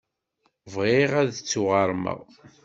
Bɣiɣ ad d-ttuɣermeɣ.